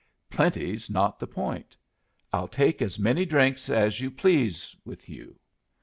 "Plenty's not the point. I'll take as many drinks as you please with you.